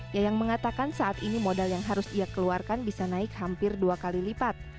yayang mengatakan saat ini modal yang harus ia keluarkan bisa naik hampir dua kali lipat